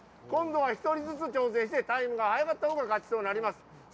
今度は１人ずつ挑戦してタイムが速かったほうが勝ちとなります。